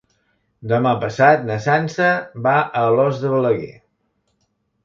Demà passat na Sança va a Alòs de Balaguer.